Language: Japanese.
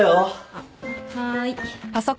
あっはい。